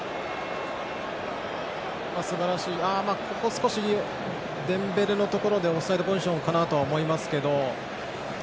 少しデンベレのところがオフサイドポジションかなと思いますけど。